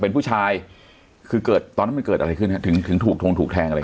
เป็นผู้ชายคือเกิดตอนนั้นมันเกิดอะไรขึ้นฮะถึงถึงถูกทงถูกแทงอะไร